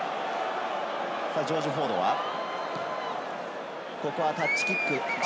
ジョージ・フォードはタッチキック。